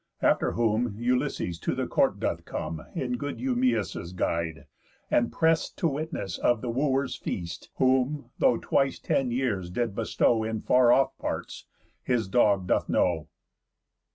After whom Ulysses to the court doth come, In good Eumæus' guide, and prest To witness of the Wooers' feast; Whom, though twice ten years did bestow In far off parts, his dog doth know.